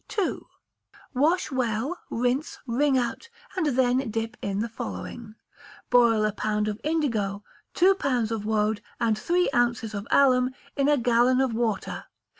ii. Wash well, rinse, wring out, and then dip in the following: Boil a pound of indigo, two pounds of woad, and three ounces of alum, in a gallon of water.